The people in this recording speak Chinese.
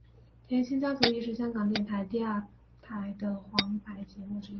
甜心家族亦是香港电台第二台的皇牌节目之一。